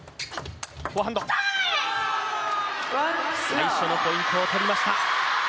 最初のポイントを取りました。